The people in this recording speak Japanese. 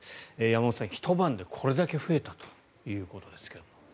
山本さん、ひと晩でこれだけ増えたということですが。